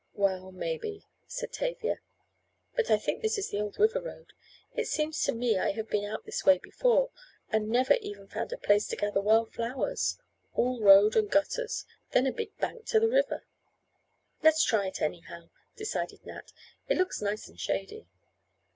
"Well, maybe," said Tavia, "but I think this is the old river road. It seems to me I have been out this way before, and never even found a place to gather wild flowers, all road and gutters, then a big bank to the river." "Let's try it anyhow," decided Nat. "It looks nice and shady."